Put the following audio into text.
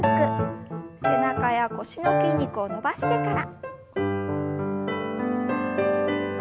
背中や腰の筋肉を伸ばしてから。